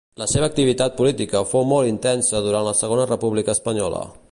La seva activitat política fou molt intensa durant la Segona República Espanyola.